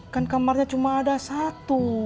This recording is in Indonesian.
kan kamarnya cuma ada satu